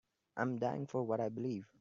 I'm dying for what I believe.